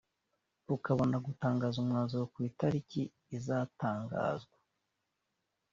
rukabona gutangaza umwanzuro ku itariki izatangazwa